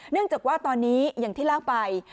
เนื่องจากว่าตอนนี้อย่างที่เล่าไป